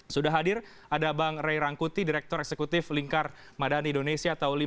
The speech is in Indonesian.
sudah hadir ada bang ray rangkuti direktur eksekutif lingkar madani indonesia tahun dua ribu lima